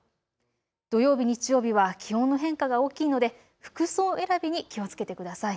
土曜日、日曜日は気温の変化が大きいので服装選びに気をつけてください。